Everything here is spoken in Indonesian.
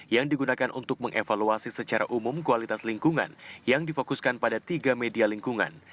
yang digunakan untuk mengevaluasi secara umum kualitas lingkungan yang difokuskan pada tiga media lingkungan